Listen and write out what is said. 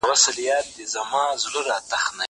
زه مخکي سبزېجات تيار کړي وو!